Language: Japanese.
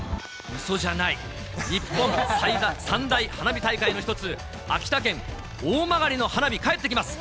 うそじゃない、日本三大花火大会の一つ、秋田県大曲の花火、帰ってきます。